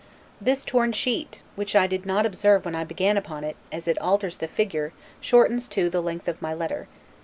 This torn sheet, which I did not observe when I began upon it, as it alters the figure, shortens, too, the length of my letter.